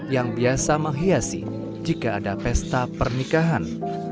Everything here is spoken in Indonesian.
yang biasa menghiasi jika ada pesta pernikahan